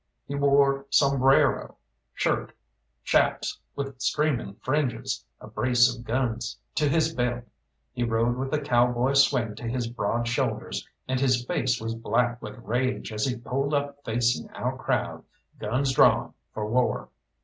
He wore sombrero, shirt, shaps with streaming fringes, a brace of guns to his belt. He rode with a cowboy swing to his broad shoulders, and his face was black with rage as he pulled up facing our crowd guns drawn for war.